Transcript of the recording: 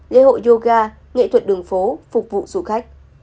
lễ hội yoga nghệ thuật đường phố phục vụ du khách